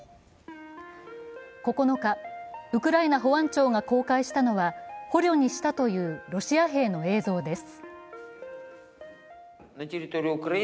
９日、ウクライナ保安庁が公開したのは捕虜にしたというロシア兵の映像です。